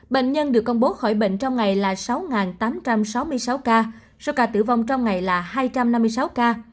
bệnh nhân được công bố khỏi bệnh trong ngày là sáu tám trăm sáu mươi sáu ca số ca tử vong trong ngày là hai trăm năm mươi sáu ca